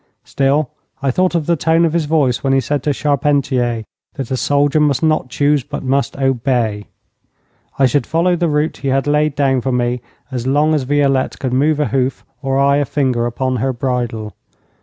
Still, I thought of the tone of his voice when he said to Charpentier that a soldier must not choose, but must obey. I should follow the route he had laid down for me as long as Violette could move a hoof or I a finger upon her bridle.